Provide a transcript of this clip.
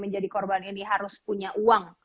menjadi korban ini harus punya uang